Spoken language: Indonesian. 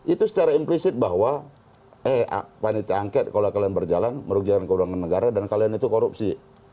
itu secara implisit bahwa eh panitia angket kalau kalian berjalan merugikan keuangan negara dan kalian itu korupsi